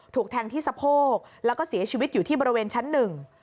ถูกแทงที่สะโพกแล้วก็เสียชีวิตอยู่ที่บริเวณชั้นหนึ่ง